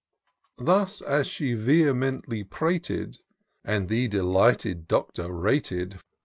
Thus, as she vehemently prated, And the delighted Doctor rated.